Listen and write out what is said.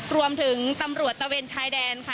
รวมถึงตำรวจตะเวนชายแดนค่ะ